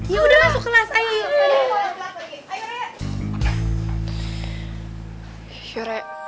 ya udah masuk kelas ayu